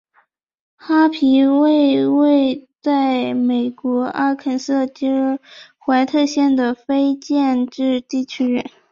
哈皮为位在美国阿肯色州怀特县的非建制地区。